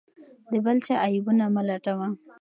د بل چا عیبونه مه لټوه.